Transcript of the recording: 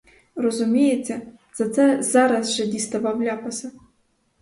Розуміється, за це зараз же діставав ляпаса.